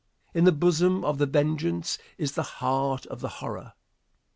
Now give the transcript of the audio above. In the bosom of the Vengeance is the heart of the horror.